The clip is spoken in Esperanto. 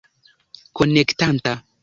Konektanta